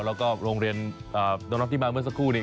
แล้วก็โรงเรียนน้องรับที่มาเมื่อสักครู่นี้